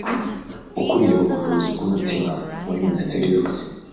ukuriye ubuvuzi bw’umutima muri Minisiteri y’Ubuzima